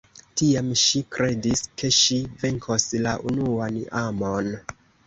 Tiam ŝi kredis, ke ŝi venkos la unuan amon.